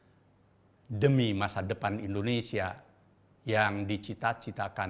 dan mengembangkan kepentingan bangsa dan negara demi masa depan indonesia yang dicita citakan